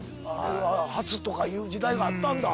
「初」とかいう時代があったんだ。